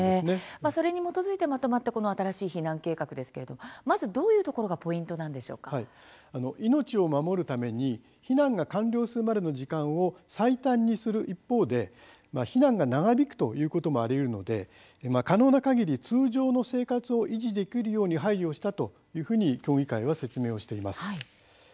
それに基づいてまとまった新しい避難計画ですがまず、どういうところが命を守るために避難が完了するまでの時間を最短にする一方で避難が長引くこともあるので可能なかぎり通常の生活を維持できるように配慮したと協議会は説明しています。